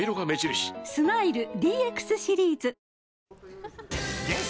スマイル ＤＸ シリーズ！厳選！